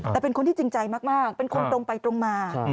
แต่เป็นคนที่จริงใจมากเป็นคนตรงไปตรงมา